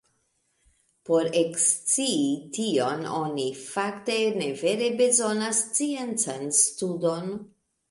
Por ekscii tion oni fakte ne vere bezonas sciencan studon.